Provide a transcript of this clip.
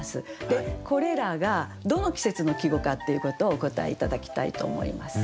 でこれらがどの季節の季語かっていうことをお答え頂きたいと思います。